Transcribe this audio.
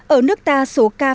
ở nước ta số ca phát hiện